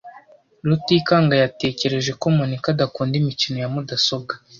Rutikanga yatekereje ko Monika adakunda imikino ya mudasobwa.